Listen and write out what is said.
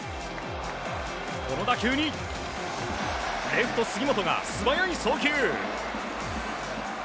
この打球にレフト、杉本が素早い送球！